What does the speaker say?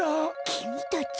きみたち。